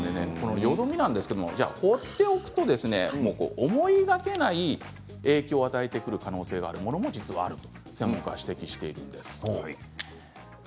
よどみを放っておくと思いがけない影響を与えてくる可能性も実はあると専門家は指摘しているんです。